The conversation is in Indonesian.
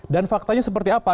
dan faktanya seperti apa